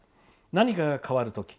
何かが変わるとき